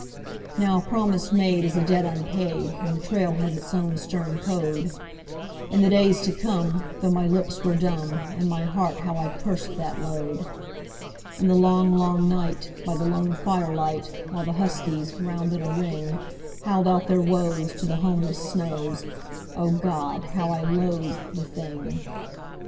Now a promise made is a debt unpaid, and the trail has its own stern code. In the days to come, though my lips were dumb, in my heart how I cursed that load. In the long, long night, by the lone firelight, while the huskies, round in a ring, Howled out their woes to the homeless snows O God! how I loathed the thing.